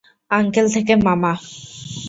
Uncle থেকে মামা।